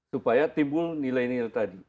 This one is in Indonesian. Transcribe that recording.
supaya timbul nilai nilai tadi